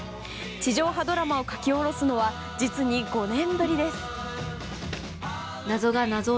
地上波ドラマを書き下ろすのは実に５年ぶりです。